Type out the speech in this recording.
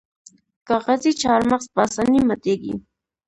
کاغذي چهارمغز په اسانۍ ماتیږي.